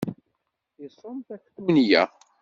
Isum taktunya.